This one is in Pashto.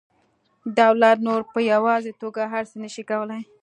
دولت نور په یوازې توګه هر څه نشي کولی